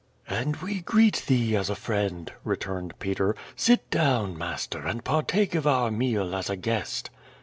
( "And we greet thee as a friend," returned Peter. "Sit down, master, and partake of our meal as a guest."